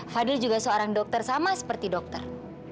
fadil juga seorang dokter sama seperti dokter